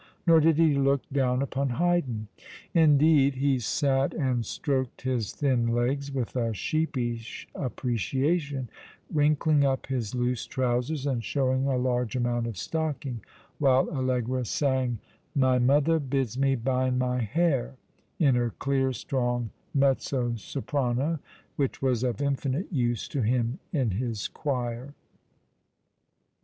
Nor did he look down upon Haydn. Indeed, he sat and stroked his thin legs with a sheepish appreciation, wrinkling up his loose trousers, and showing a large amount of stocking, while Allegra sang "My mother bids me bind my hair," in her clear, strong mezzo soprano, which was of infinite use to him in his choir.